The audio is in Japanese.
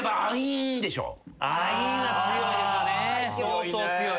相当強い。